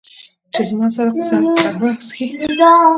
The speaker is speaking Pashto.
چې، زما سره قهوه وچښي